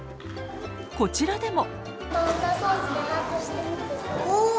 こちらでも。